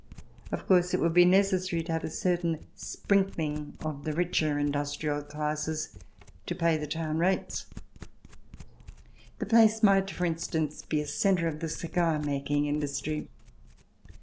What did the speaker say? Of course it would be necessary to have a certain sprinkling of the richer industrial classes to pay the town rates. The place might, for instance, be a centre of the cigar making industry.